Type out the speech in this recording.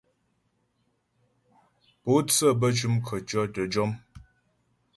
Pǒtsə bə́ cʉm khətʉɔ̌ tə́ jɔm.